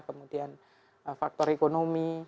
kemudian faktor ekonomi